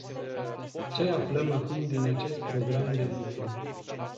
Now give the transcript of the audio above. Ce aflăm acum din acest program de lucru?